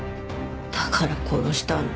だから殺したの。